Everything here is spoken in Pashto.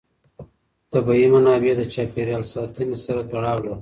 طبیعي منابع د چاپېر یال ساتنې سره تړاو لري.